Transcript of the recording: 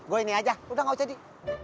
gue ini aja udah gak usah jadi